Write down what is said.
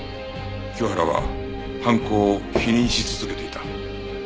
清原は犯行を否認し続けていた。